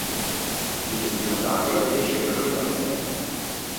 Il destinatario riceve una medaglia.